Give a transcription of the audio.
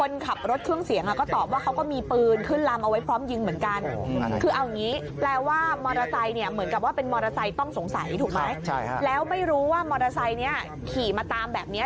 แล้วไม่รู้ว่ามอเตอร์ไซค์นี้ขี่มาตามแบบเนี้ย